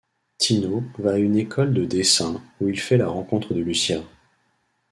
Tino va à une école de dessin où il fait la rencontre de Lucia.